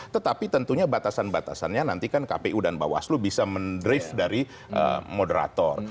tetapi tentunya batasan batasannya nanti kan kpu dan mbak waslu bisa mendrift dari moderator